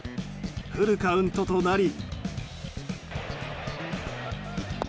フルカウントとなり。